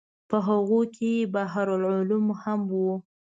په هغو کې بحر العلوم هم و.